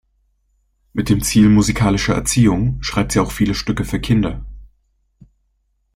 Mit dem Ziel musikalischer Erziehung schreibt sie auch viele Stücke für Kinder.